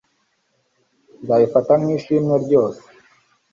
nzabifata nk'ishimwe ryose